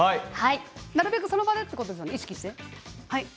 なるべくその場でということですね。